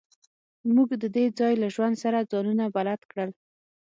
موږ د دې ځای له ژوند سره ځانونه بلد کړل